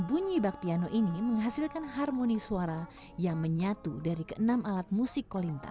bunyi bak piano ini menghasilkan harmoni suara yang menyatu dari keenam alat musik kolintang